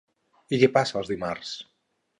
I què passa el dimarts?